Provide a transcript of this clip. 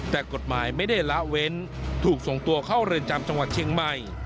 แต่กฎหมายไม่ได้ละเว้นถูกส่งตัวเข้าเรือนจำจังหวัดเชียงใหม่